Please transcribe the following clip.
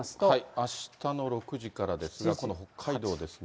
あしたの６時からですが、この北海道ですね。